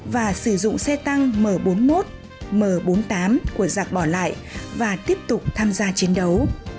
và sử dụng xe tăng m bốn mươi một m bốn mươi tám của giặc bỏ lại và tiếp tục tham gia chiến đấu